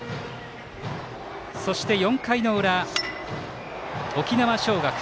そして４回の裏、沖縄尚学